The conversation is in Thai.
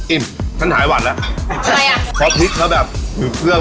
อิ่มฉันหายหวัดแล้วอะไรอ่ะขอพริกเขาแบบอยู่เครื่อง